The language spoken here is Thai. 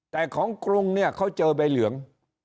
แต่ของกรุงเนี่ยเขาเจอใบเหลือง